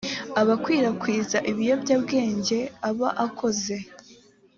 abakwirakwiza ibiyobyabwenge aba akoze